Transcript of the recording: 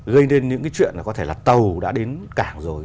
gây nên những cái chuyện là có thể là tàu đã đến cảng rồi